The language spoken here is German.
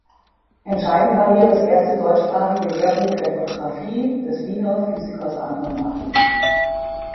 Entscheidend war hier das erste deutschsprachige Lehrbuch der Fotografie des Wiener Physikers Anton Martin.